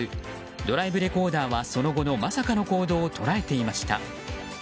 ドライブレコーダーはその後のまさかの行動を捉えていました。